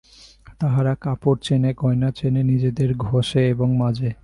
তাহারা কাপড় চেনে, গয়না চেনে, নিজেদের ঘষে এবং মাজে।